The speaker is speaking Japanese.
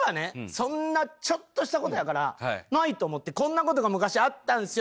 そんなちょっとしたことやからないと思って「こんなことが昔あったんですよ」